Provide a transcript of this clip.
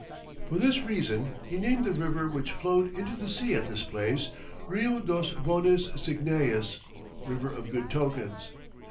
For this reason he named the river which flowed into the sea at this place Rio dos Bonis Signaes (River of good tokens).